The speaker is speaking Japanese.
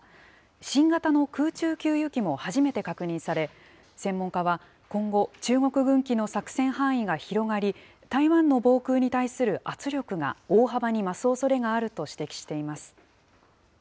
新型の空中給油機も初めて確認され、専門家は今後、中国軍機の作戦範囲が広がり、台湾の防空に対する圧力が大幅に増すおそれがあると指摘しています。